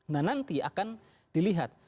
nah nanti akan dilihat